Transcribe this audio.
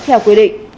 theo quy định